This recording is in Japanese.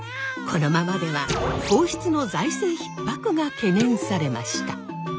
このままでは皇室の財政逼迫が懸念されました。